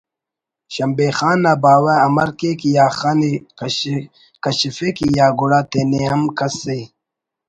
شمبے خان نا باوہ امر کیک یا خن ءِ کشفک یا گڑا تینے ہم کسءِ